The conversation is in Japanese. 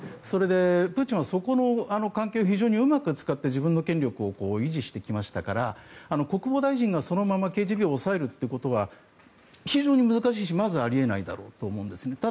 それでプーチンはそこの関係を非常にうまく使って自分の権力を維持してきましたから国防大臣がそのままＫＧＢを抑えるということは非常に難しいしまずあり得ないだろうと思うんですね。